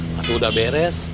lagi udah beres